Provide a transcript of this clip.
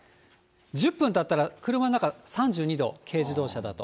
１０分たったら、車の中３２度、軽自動車だと。